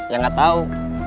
ya gak tau